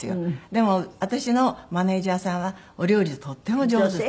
でも私のマネジャーさんはお料理とっても上手で。